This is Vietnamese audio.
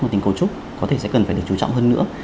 của tình cầu trúc có thể sẽ cần phải được chú trọng hơn nữa